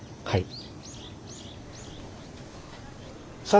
はい。